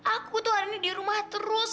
aku tuh hari ini di rumah terus